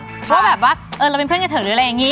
ว่าแบบว่าเราเป็นเพื่อนกันเถอะหรืออะไรอย่างนี้